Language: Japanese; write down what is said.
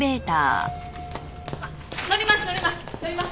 乗ります乗ります！